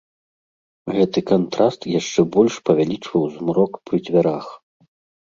Гэты кантраст яшчэ больш павялічваў змрок пры дзвярах.